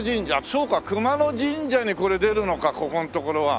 そうか熊野神社にこれ出るのかここの所は。